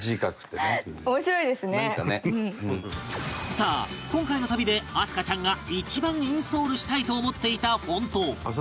さあ今回の旅で明日香ちゃんが一番インストールしたいと思っていたフォント